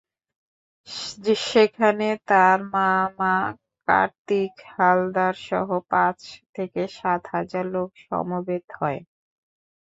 সেখানে তাঁর মামা কার্তিক হালদারসহ পাঁচ থেকে সাত হাজার লোক সমবেত হয়।